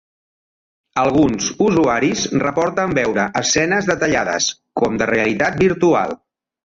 Alguns usuaris reporten veure escenes detallades, com de realitat virtual.